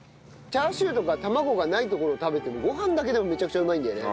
チャーシューとか卵がないところ食べてもごはんだけでもめちゃくちゃうまいんだよね。